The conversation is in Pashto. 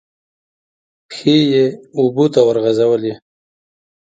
پښې یې اوبو ته ورغځولې.